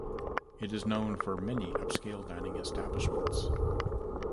It is known for many upscale dining establishments.